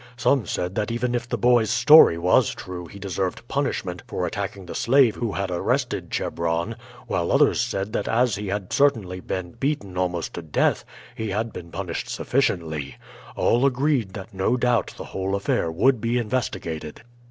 Some said that even if the boy's story was true he deserved punishment for attacking the slave who had arrested Chebron, while others said that as he had certainly been beaten almost to death, he had been punished sufficiently. All agreed that no doubt the whole affair would be investigated.